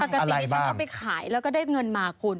ปกติฉันเอาไปขายแล้วก็ได้เงินมาคุณ